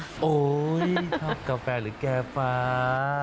โอ้โหชอบกาแฟหรือแก่ฟ้า